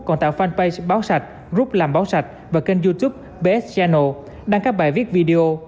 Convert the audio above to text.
còn tạo fanpage báo sạch group làm báo sạch và kênh youtube bs channel đăng các bài viết video